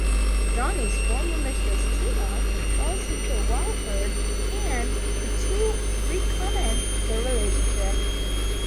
Johnny's former mistress, Tina, follows him to Walford, and the two recommence their relationship.